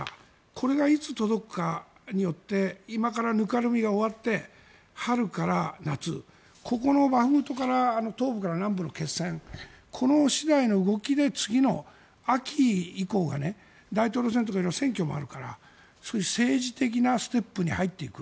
これがいつ届くかによって今からぬかるみが終わって春から夏ここのバフムトから東部から南部の決戦これ次第の動きで次の秋以降が、大統領選挙とか色々選挙もあるから政治的なステップに入っていく。